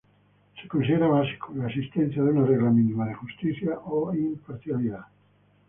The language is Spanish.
Se considera básico, la existencia de una regla mínima de justicia o imparcialidad.